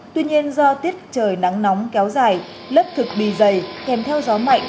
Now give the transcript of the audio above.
tuy nhiên do tiết trời nắng nóng kéo dài lớp thực bì dày kèm theo gió mạnh